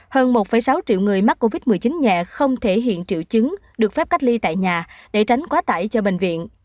hơn một sáu triệu người mắc covid một mươi chín nhẹ không thể hiện triệu chứng được phép cách ly tại nhà để tránh quá tải cho bệnh viện